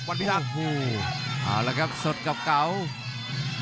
อื้อฮูเอาล่ะครับสดกับเกาม์